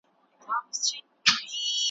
راته راوړی لیک مي رویبار دی ,